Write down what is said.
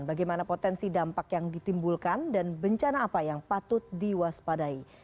bagaimana potensi dampak yang ditimbulkan dan bencana apa yang patut diwaspadai